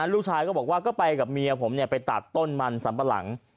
ลูกชายก็บอกว่าก็ไปกับเมียผมไปตัดต้นมันสัมปะหลัง